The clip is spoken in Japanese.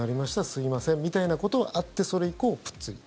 すいませんみたいなことがあってそれ以降、ぷっつり。